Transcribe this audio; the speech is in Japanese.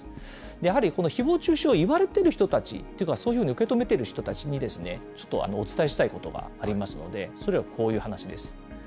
やはりこのひぼう中傷を言われている人たち、そういうふうに受け止めている人たちにちょっとお伝えしたいことがありますので、それはこういう話です。